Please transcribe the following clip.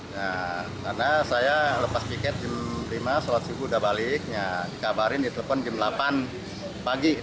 nah karena saya lepas piket jam lima sholat subuh sudah balik ya dikabarin di telepon jam lapan pagi